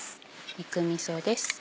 肉みそです。